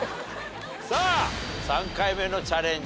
さあ３回目のチャレンジ